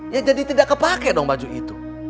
ya jadi tidak kepake dong baju itu